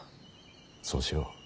そうしよう。